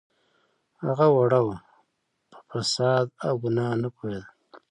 هغه وړه وه په فساد او ګناه نه پوهیده